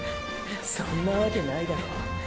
そんなワケないだろ。